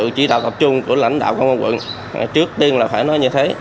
sự chỉ đạo tập trung của lãnh đạo công an quận trước tiên là phải nói như thế